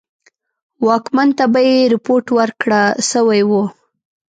واکمن ته به یې رپوټ ورکړه سوی وو.